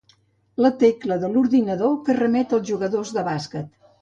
La tecla de l'ordinador que remet als jugadors de bàsquet.